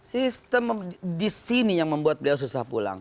sistem di sini yang membuat beliau susah pulang